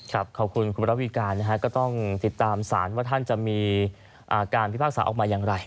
ขอบคุณคุณระวิการนะฮะก็ต้องติดตามสารว่าท่านจะมีการพิพากษาออกมาอย่างไร